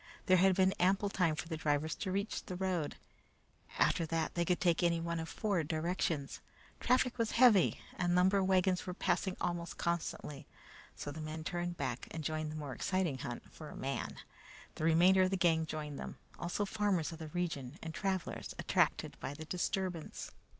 There had been ample time for the drivers to reach the road; after that they could take any one of four directions. Traffic was heavy, and lumber wagons were passing almost constantly, so the men turned back and joined the more exciting hunt for a man. The remainder of the gang joined them, also farmers of the region and travelers attracted by the disturbance.